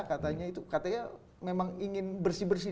katanya itu katanya memang ingin bersih bersih